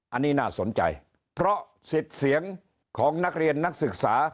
อันนี้น่าสนใจเพราะสิทธิ์เสียงของนักเรียนนักศึกษา